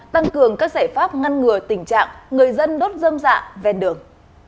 tăng cường các giải pháp ngăn ngừa tình trạng người dân đốt dơm dạ ven đường